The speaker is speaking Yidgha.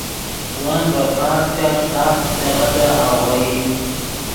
ون ڤے پازکف ساف لیغدے آغوئی